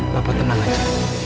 papa tenang aja